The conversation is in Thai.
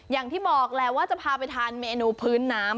อย่างที่บอกแหละว่าจะพาไปทานเมนูพื้นน้ำ